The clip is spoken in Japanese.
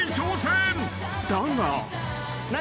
［だが］